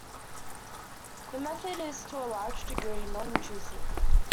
The method is, to a large degree, nonintrusive.